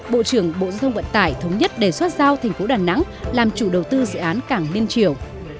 bộ trưởng bộ dân thông vận tải thống nhất đề xuất giao tp đà nẵng làm chủ đầu tư dự án cảng liên triều